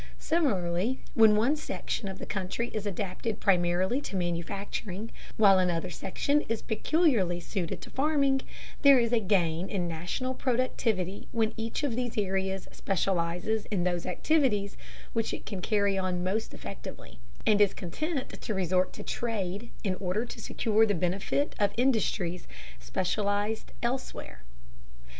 Similarly, when one section of the country is adapted primarily to manufacturing, while another section is peculiarly suited to farming, there is a gain in national productivity when each of these areas specializes in those activities which it can carry on most effectively, and is content to resort to trade in order to secure the benefit of industries specialized in elsewhere.